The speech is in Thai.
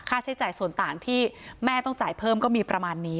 ใช้จ่ายส่วนต่างที่แม่ต้องจ่ายเพิ่มก็มีประมาณนี้